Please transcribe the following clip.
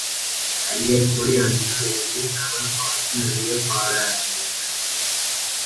அரியக்குடி அன்றிலிருந்து தமிழ்ப்பாட்டு நிறையப் பாட ஆரம்பித்தார்.